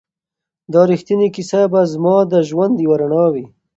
دا ریښتینې کیسه به زما د ژوند یوه رڼا وي.